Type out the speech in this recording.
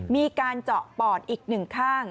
มีการเจาะปอดอีก๑ข้าง